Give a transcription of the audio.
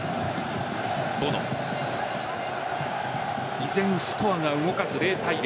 依然、スコアが動かず０対０。